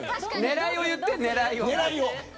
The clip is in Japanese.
狙いを言って、狙いを。